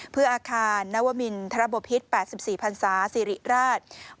เพื่ออาคารนวมินทรบพิษ๘๔พันศาสิริราช